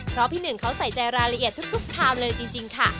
เพราะพี่หนึ่งเขาใส่ใจรายละเอียดทุกชามเลยจริงค่ะ